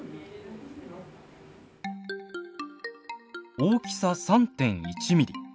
大きさ３．１ミリ。